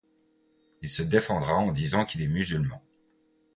Il se défendra en disant qu’il est musulman.